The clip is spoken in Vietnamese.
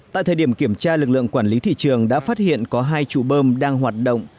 tại thời điểm kiểm tra lực lượng quản lý thị trường đã phát hiện có hai trụ bơm đang hoạt động